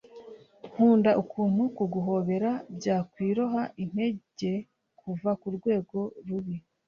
nkunda ukuntu kuguhobera byakwiroha intege kuva kurwego rubi.